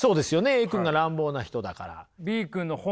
Ａ君が乱暴な人だから。